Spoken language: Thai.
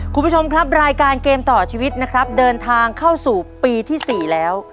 คุณผู้ชมครับรายการเกมต่อชีวิตนะครับเดินทางเข้าสู่ปีที่๔แล้ว